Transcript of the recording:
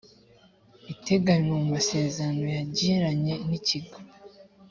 iteganywa mu masezerano yagiranye n ikigo